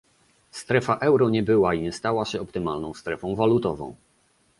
Strefa euro nie była i nie stała się optymalną strefą walutową